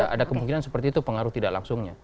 ada kemungkinan seperti itu pengaruh tidak langsungnya